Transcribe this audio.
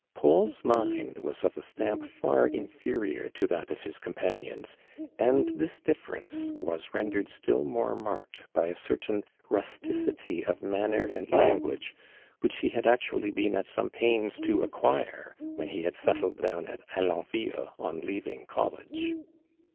Paul's mind was of a stamp far inferior to that of his companions, and this difference was rendered still more marked by a cer tain rusticity of manner and language which he had actually been at some pains to ac quire, when ho had settled down at Alon villc on leaving college.